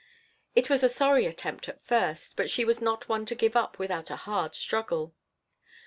It was a sorry attempt at first; but she was not one to give up without a hard struggle.